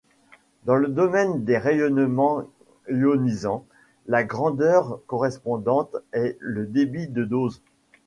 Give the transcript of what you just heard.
Dans le domaine des rayonnements ionisants, la grandeur correspondante est le débit de dose.